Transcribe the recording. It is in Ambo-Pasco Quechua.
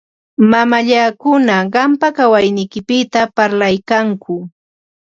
Mamallakuna qampa kawayniykipita parlaykanku.